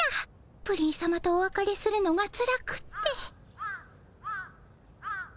プリンさまとおわかれするのがつらくって。